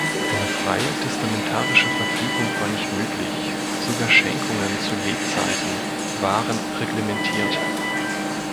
Eine freie testamentarische Verfügung war nicht möglich, sogar Schenkungen zu Lebzeiten waren reglementiert.